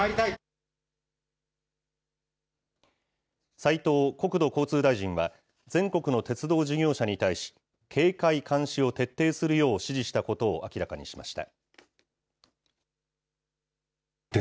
斉藤国土交通大臣は全国の鉄道事業者に対し、警戒・監視を徹底するよう指示したことを明らかにしました。